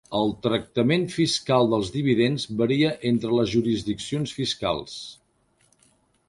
El tractament fiscal dels dividends varia entre les jurisdiccions fiscals.